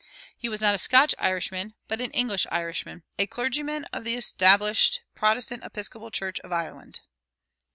He was not a Scotch Irishman, but an English Irishman a clergyman of the established Protestant Episcopal Church of Ireland.